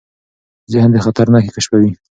ذهن د خطر نښې کشفوي.